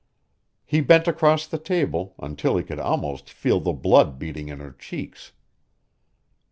He bent across the table until he could almost feel the blood beating in her cheeks.